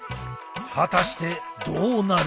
果たしてどうなる？